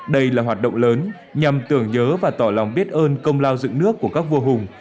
đây là hoạt động lớn nhằm tưởng nhớ và tỏ lòng biết ơn công lao dựng nước của các vua hùng